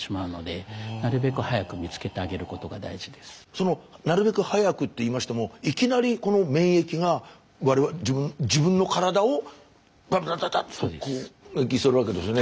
そのなるべく早くっていいましてもいきなりこの免疫が自分の体をダダダダッと攻撃するわけですよね。